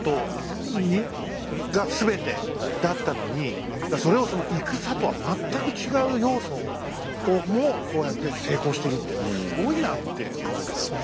いろんなだからそれをその戦とは全く違う要素をもこうやって成功してるっていうのはすごいなって思うけどね。